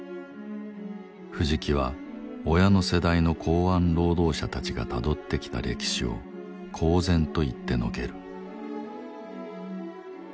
藤木は親の世代の港湾労働者たちがたどってきた歴史を公然と言ってのける。